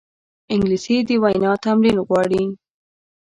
انګلیسي د وینا تمرین غواړي